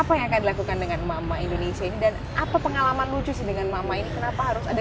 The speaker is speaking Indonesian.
apa yang akan dilakukan dengan emak emak indonesia ini dan apa pengalaman lucu sih dengan mama ini kenapa harus ada